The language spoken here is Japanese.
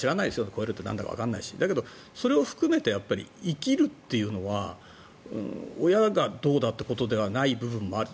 超えるってなんだかわからないけどだけど、それを含めて生きるっていうのは親がどうだということではない部分もある。